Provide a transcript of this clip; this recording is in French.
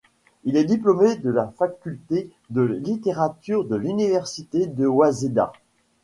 Il est diplômé de la faculté de littérature de l'université de Waseda.